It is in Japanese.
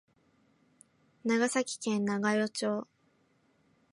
長崎県長与町